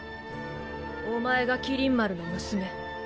おまえが麒麟丸の娘。